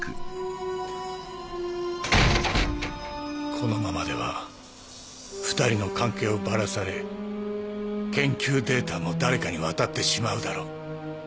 このままでは２人の関係をバラされ研究データも誰かに渡ってしまうだろう。